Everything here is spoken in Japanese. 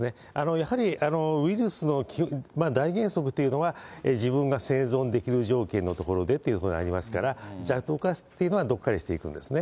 やはりウイルスの大原則というのは、自分が生存できる条件の所でということがありますから、弱毒化というのはどこかでしていくんですね。